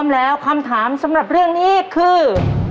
แล้วคำถามสำหรับเรื่องนี้คือ